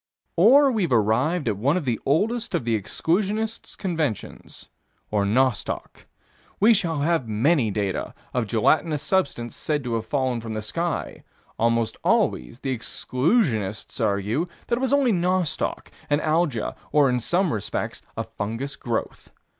Or we've arrived at one of the oldest of the exclusionists' conventions or nostoc. We shall have many data of gelatinous substance said to have fallen from the sky: almost always the exclusionists argue that it was only nostoc, an Alga, or, in some respects, a fungous growth.